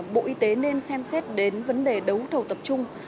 bộ y tế nên xem xét đến vấn đề đấu thầu tập trung